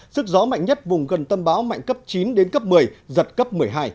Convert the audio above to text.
sức gió mạnh nhất vùng gần tâm bão mạnh cấp chín đến cấp một mươi giật cấp một mươi hai